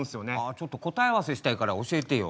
ちょっと答え合わせしたいから教えてよ。